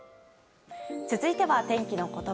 続いては、天気のことば。